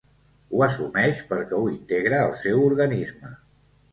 Ho assumeix perquè ho integra al seu organisme.